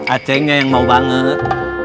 acehnya yang mau banget